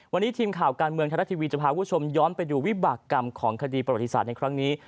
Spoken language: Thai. วันนี้ทีมข่าวการเมืองไทยรัฐทีวีจะพาคุณผู้ชมย้อนไปดูวิบากรรมของคดีประวัติศาสตร์ในครั้งนี้